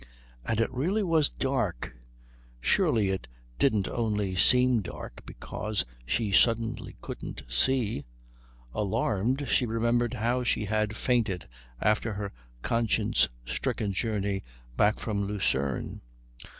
And it really was dark; surely it didn't only seem dark because she suddenly couldn't see? Alarmed, she remembered how she had fainted after her conscience stricken journey back from Lucerne.